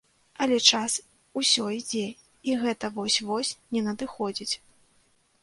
Але, час усё ідзе, і гэта вось-вось не надыходзіць.